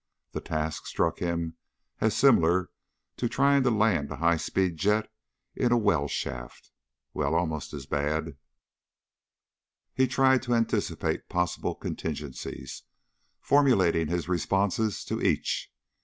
The task struck him as similar to trying to land a high speed jet in a well shaft. Well, almost as bad. He tried to anticipate possible contingencies, formulating his responses to each.